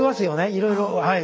いろいろはい。